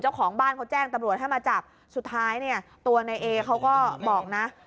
เจ้าของบ้านเค้าแจ้งตำรวจมาจับสุดท้ายตัวในเอเค้าก็บอกนะ